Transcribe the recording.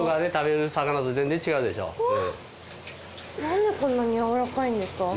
なんでこんなに柔らかいんですか？